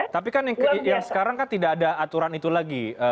tapi kan sekarang tidak ada aturan itu lagi